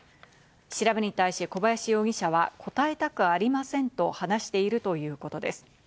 調べに対し小林容疑者は答えたくありませんと話しているということです。